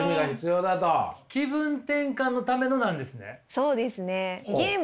そうですね。